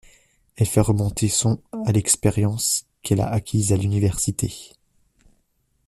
Elle fait remonter son à l'expérience qu'elle a acquise à l'université.